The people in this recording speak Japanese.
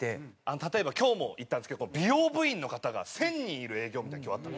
例えば今日も行ったんですけど美容部員の方が１０００人いる営業みたいなのが今日あった。